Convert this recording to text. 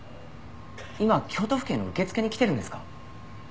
今京都府警の受付に来てるんですか？